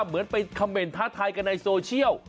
เหมือนไปคอมเมนต์ท้าทายกันในโซเชียล